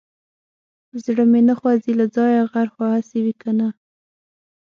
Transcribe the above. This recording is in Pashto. زړه مې نه خوځي له ځايه غر خو هسي وي که نه.